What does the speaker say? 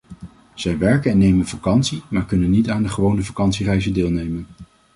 Zij werken en nemen vakantie, maar kunnen niet aan de gewone vakantiereizen deelnemen.